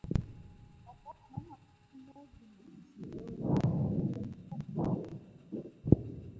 Mashaka nomako chunye gi lit kendo rem malich.